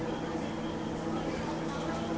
สวัสดีครับ